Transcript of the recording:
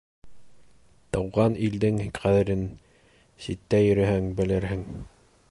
Тыуған илдең ҡәҙерен ситтә йөрөһәң белерһең.